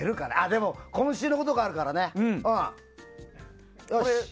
でも、今週のことがあるからね。